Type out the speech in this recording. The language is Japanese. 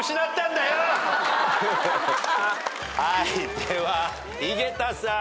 では井桁さん。